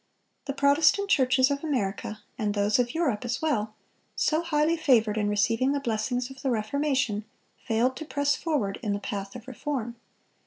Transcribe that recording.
The Protestant churches of America—and those of Europe as well—so highly favored in receiving the blessings of the Reformation, failed to press forward in the path of reform.